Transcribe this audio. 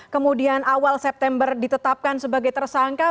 kemudian awal september ditetapkan sebagai tersangka